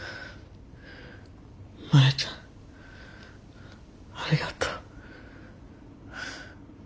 マヤちゃんありがとう。